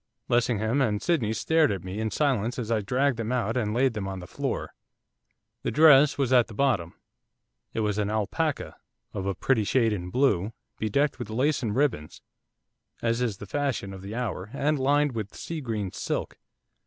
Lessingham and Sydney stared at me in silence as I dragged them out and laid them on the floor. The dress was at the bottom, it was an alpaca, of a pretty shade in blue, bedecked with lace and ribbons, as is the fashion of the hour, and lined with sea green silk.